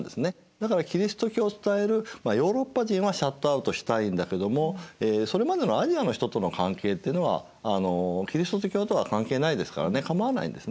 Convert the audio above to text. だからキリスト教を伝えるヨーロッパ人はシャットアウトしたいんだけどもそれまでのアジアの人との関係ってのはキリスト教とは関係ないですからねかまわないんですね。